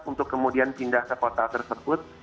untuk kemudian pindah ke kota tersebut